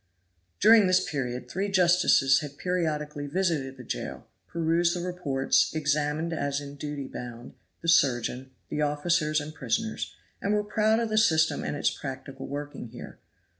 During this period three justices had periodically visited the jail, perused the reports, examined, as in duty bound, the surgeon, the officers and prisoners, and were proud of the system and its practical working here.